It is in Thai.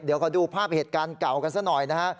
เดี๋ยวขอดูภาพเหตุการณ์เก่ากันซะหน่อยนะฮะ